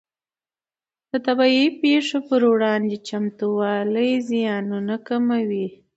د طبیعي پېښو پر وړاندې چمتووالی زیانونه کموي.